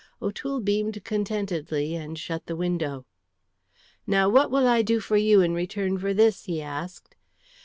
O'Toole beamed contentedly and shut the window. "Now what will I do for you in return for this?" he asked.